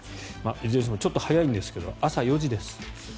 いずれにしてもちょっと早いんですが朝４時です。